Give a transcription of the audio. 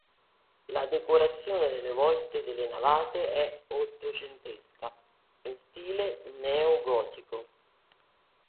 La decorazione delle volte delle navate è ottocentesca, in stile neogotico.